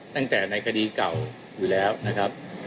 ตั้งแต่ในคดีเก่าอยู่แล้วนะครับ